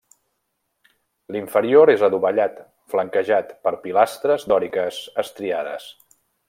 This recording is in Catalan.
L'inferior és adovellat flanquejat per pilastres dòriques estriades.